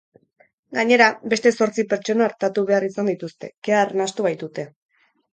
Gainera, beste zortzi pertsona artatu behar izan dituzte, kea arnastu baitute.